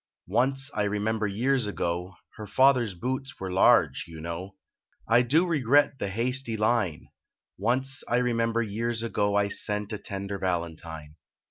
Once I remember years ago, Her father s boots were large, yon know. I do regret the hasty line. Once I remember years ago I sent a tender valentine.